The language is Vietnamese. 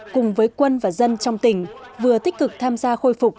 cùng với quân và dân trong tỉnh vừa tích cực tham gia khôi phục